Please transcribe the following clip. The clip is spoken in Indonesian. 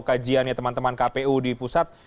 kajiannya teman teman kpu di pusat